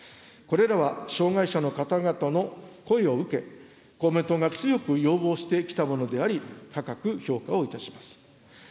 これらは、障害者の方々の声を受け、公明党が強く要望してきたものであり、高く評価をいたします。